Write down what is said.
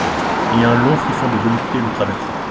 Et un long frisson de volupté le traversa.